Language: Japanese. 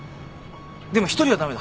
でも１人は駄目だ。